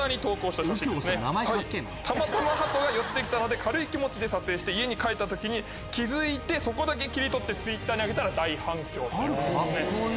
たまたま鳩が寄って来たので軽い気持ちで撮影して家に帰った時に気付いて切り取ってＴｗｉｔｔｅｒに上げたら大反響ということですね。